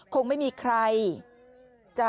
ยังไงเราก็ไม่ตาย